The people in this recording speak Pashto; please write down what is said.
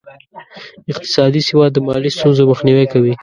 اقتصادي سواد د مالي ستونزو مخنیوی کوي.